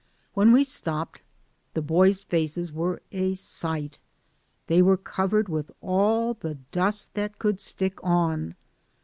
When we stopped, the boys' faces were a sight ; they were covered with all the dust that could stick on.